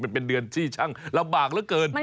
เป็นเดือนชี้ช่างละบากเกิน